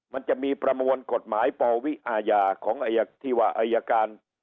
มันจะมีประมวลกฎหมายปวิอาญาของที่ว่าอายการ